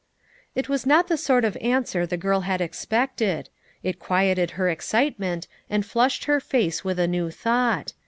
It was not the sort of answer the girl had ex pected. It quieted her excitement, and flushed her face with a new thought.